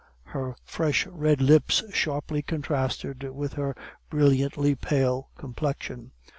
Her fresh red lips sharply contrasted with her brilliantly pale complexion.